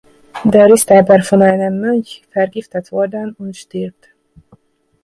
Der ist aber von einem Mönch vergiftet worden und stirbt.